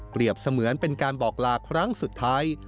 เสมือนเป็นการบอกลาครั้งสุดท้าย